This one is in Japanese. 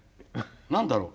何だろう？